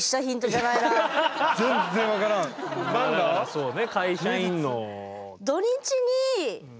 そうね。